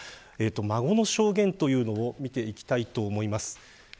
孫の証言を見ていきたいと思います。